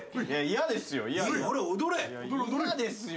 嫌ですよ。